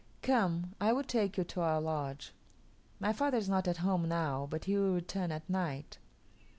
Come, I will take you to our lodge. My father is not at home now, but he will return at night."